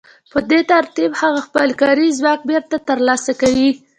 په دې ترتیب هغه خپل کاري ځواک بېرته ترلاسه کوي